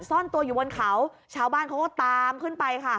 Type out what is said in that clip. ซ่อนตัวอยู่บนเขาชาวบ้านเขาก็ตามขึ้นไปค่ะ